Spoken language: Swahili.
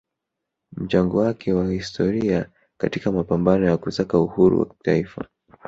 mchango wake wa kihistoria katika mapambano ya kusaka uhuru wa taifa